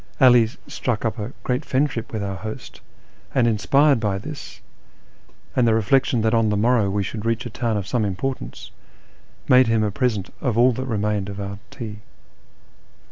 'All struck up a great friendship with our host, and, inspired by this, and the reilection that on the morrow we should reach a town of some importance, made him a present of all that remained of our tea.